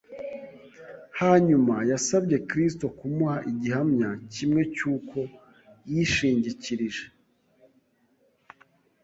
Hanyuma yasabye Kristo kumuha igihamya kimwe cy’uko yishingikirije